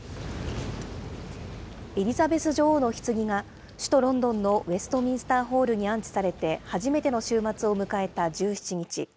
エリザベス女王のひつぎが、首都ロンドンのウェストミンスターホールに安置されて初めての週末を迎えた１７日。